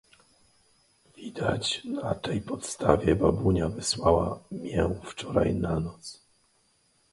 "Widać na tej podstawie babunia wysłała mię wczoraj na noc."